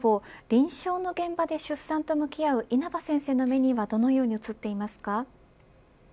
臨床の現場で出産と向き合う稲葉先生の目にはどのように写っていますか。